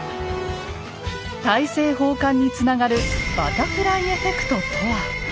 大政奉還につながるバタフライエフェクトとは。